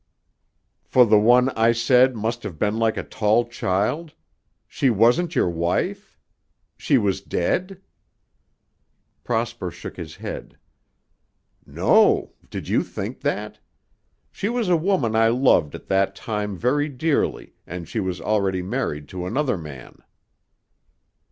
"For the one I said must have been like a tall child? She wasn't your wife? She was dead?" Prosper shook his head. "No. Did you think that? She was a woman I loved at that time very dearly and she was already married to another man."